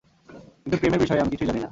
কিন্তু প্রেমের বিষয়ে আমি কিছুই জানি না।